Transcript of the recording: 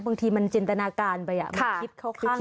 บางทีมันจินตนาการไปมันคิดเข้าข้าง